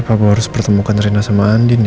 apa gue harus pertemukan rena sama andin ya